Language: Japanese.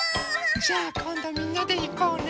じゃあこんどみんなでいこうね。